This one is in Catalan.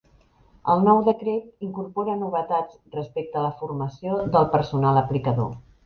El nou Decret incorpora novetats respecte a la formació del personal aplicador.